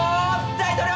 大統領！